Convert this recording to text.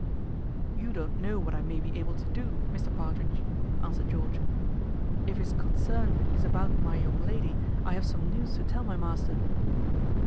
"You don't know what I may be able to do, Mr Partridge," answered George; "if his concern is about my young lady, I have some news to tell my master."